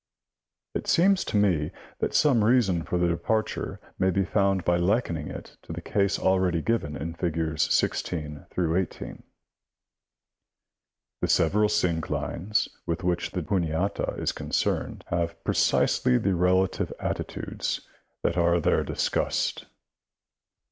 It seems to me that some reason for the departure may be found by likening it to the case already given in figs. 16 18. The several synclines with which the Juniata is concerned have precisely the relative attitudes that are there discussed.